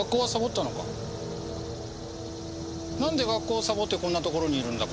なんで学校をサボってこんなところにいるんだ？